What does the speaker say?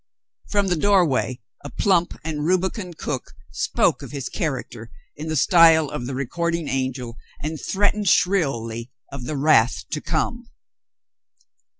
From the door way a plump and rubicund cook spoke of his char acter in the style of the recording angel, and threatened shrilly of the wrath to come.